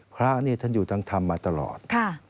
เพราะท่านอยู่ทั้งธรรมมาตลอด